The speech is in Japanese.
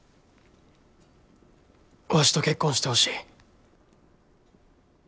わしと結婚してほしい。